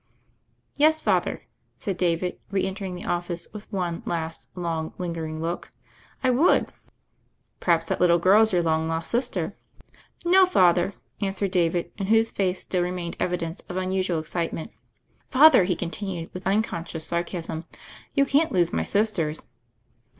"Yes, Father," said David, re entering the of fice with one last, long, lingering look, "I would." "Possibly that little girl is your long lost sister?" "No, Father," answered David, in whose face still remained evidence of unusual excite ment. "Father," he continued, with uncon scious sarcasm, "you can't lose my sisters.